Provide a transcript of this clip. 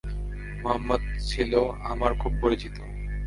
মুহাম্মাদ ছিল আমার খুব পরিচিত।